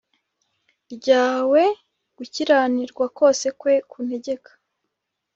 ryawe Gukiranirwa kose kwe kuntegeka